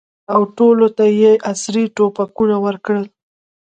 او ټولو ته یې عصري توپکونه ورکړل.